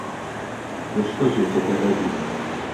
Вось што з ёй цяпер рабіць?